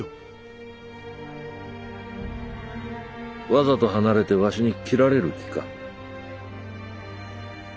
わざと離れてわしに斬られる気か？